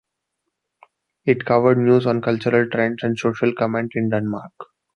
It covered news on cultural trends and social comment in Denmark.